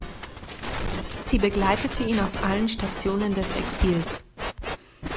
Sie begleitete ihn auf allen Stationen des Exils.